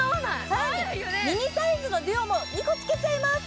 更に、ミニサイズのＤＵＯも２個つけちゃいます。